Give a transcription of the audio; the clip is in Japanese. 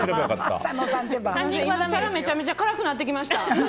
めちゃめちゃ辛くなってきました。